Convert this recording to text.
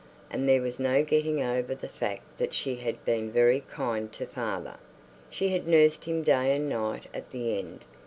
And there was no getting over the fact that she had been very kind to father. She had nursed him day and night at the end.